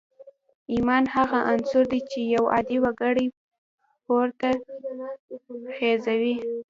ایمان هغه عنصر دی چې یو عادي وګړی پورته خېژوي